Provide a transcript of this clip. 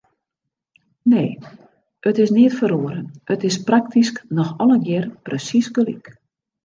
Nee, it is neat feroare, it is praktysk noch allegear presiis gelyk.